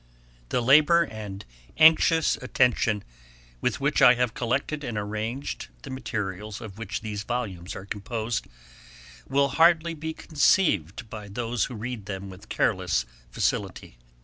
] The labour and anxious attention with which I have collected and arranged the materials of which these volumes are composed, will hardly be conceived by those who read them with careless facility.